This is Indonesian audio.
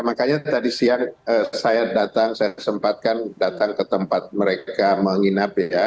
makanya tadi siang saya datang saya sempatkan datang ke tempat mereka menginap ya